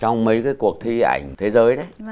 trong mấy cái cuộc thi ảnh thế giới đấy